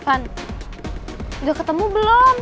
van udah ketemu belum